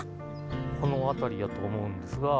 この辺りやと思うんですが。